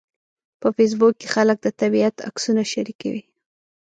په فېسبوک کې خلک د طبیعت عکسونه شریکوي